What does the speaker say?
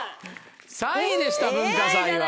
３位でした文化祭は。